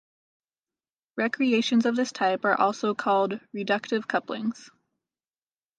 Reactions of this type are also called "reductive couplings".